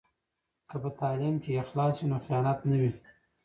که په تعلیم کې اخلاص وي نو خیانت نه وي.